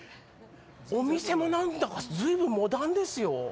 お店も何だか随分モダンですよ。